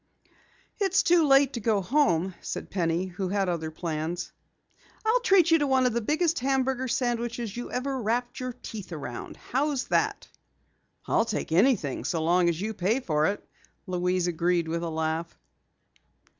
"It's too late to go home," said Penny, who had other plans. "I'll treat you to one of the biggest hamburger sandwiches you ever wrapped your teeth around! How's that?" "I'll take anything so long as you pay for it," Louise agreed with a laugh.